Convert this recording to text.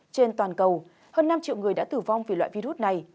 trên toàn cầu hơn năm triệu người đã tử vong vì loại virus này